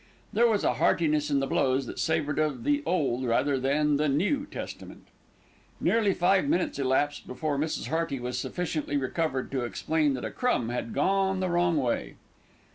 There was a heartiness in the blows that savoured of the Old rather than the New Testament. Nearly five minutes elapsed before Mrs. Hearty was sufficiently recovered to explain that a crumb had gone the wrong way.